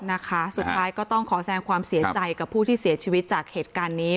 นะคะสุดท้ายก็ต้องขอแสงความเสียใจกับผู้ที่เสียชีวิตจากเหตุการณ์นี้